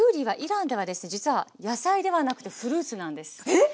えっ！